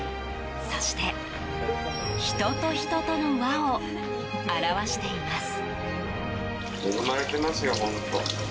そして、人と人との「わ」を表しています。